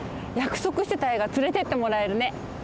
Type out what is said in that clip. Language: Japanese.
やくそくしてたえいがつれてってもらえるね。